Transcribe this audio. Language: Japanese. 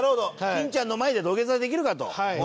金ちゃんの前で土下座できるかと？